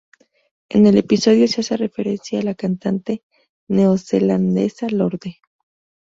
En el episodio se hace referencia a la cantante neozelandesa Lorde.